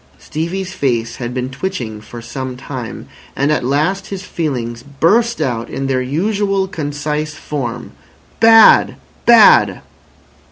Stevie's face had been twitching for some time, and at last his feelings burst out in their usual concise form. "Bad! Bad!"